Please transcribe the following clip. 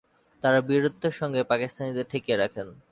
তারা বীরত্বের সঙ্গে পাকিস্তানিদের ঠেকিয়ে রাখেন।